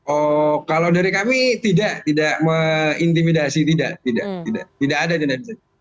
oh kalau dari kami tidak tidak intimidasi tidak tidak tidak ada di dalam